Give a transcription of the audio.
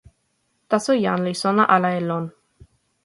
taso jan li sona ala e lon.